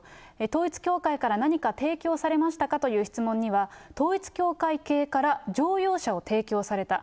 統一教会から何か提供されましたかという質問には、統一教会系から乗用車を提供された。